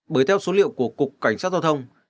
bởi theo số liệu của cục cảnh sát giao thông